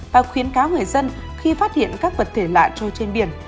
và khuyến cáo người dân khi phát hiện các vật thể lạ trôi trên biển